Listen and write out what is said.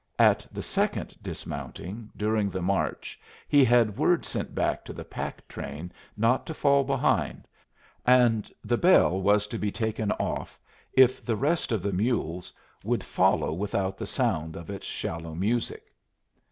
At the second dismounting during march he had word sent back to the pack train not to fall behind, and the bell was to be taken off if the rest of the mules would follow without the sound of its shallow music.